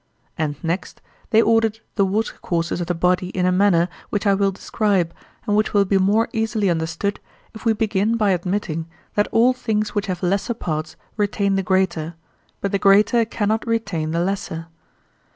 And next, they ordered the water courses of the body in a manner which I will describe, and which will be more easily understood if we begin by admitting that all things which have lesser parts retain the greater, but the greater cannot retain the lesser.